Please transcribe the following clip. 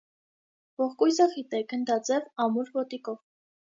Ողկույզը խիտ է, գնդաձև, ամուր ոտիկով։